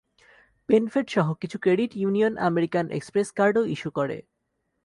PenFed সহ কিছু credit union American Express কার্ডও ইস্যু করে।